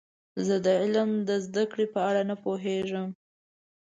زه د علم د زده کړې په اړه نه پوهیږم.